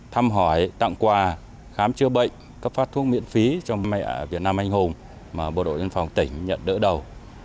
thăm hỏi tặng quà khám chữa bệnh cấp phát thuốc miễn phí cho mẹ việt nam anh hùng mà bộ đội biên phòng tỉnh nhận đỡ đầu